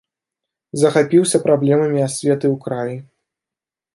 Захапіўся праблемамі асветы ў краі.